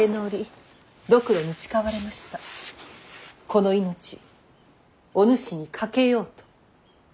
この命おぬしに賭けようと。